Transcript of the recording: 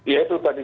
ya itu tadi